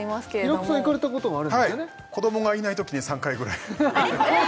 はい子どもがいないときに３回ぐらいえっ？